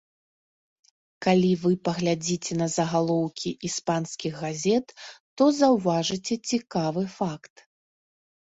Калі вы паглядзіце на загалоўкі іспанскіх газет, то заўважыце цікавы факт.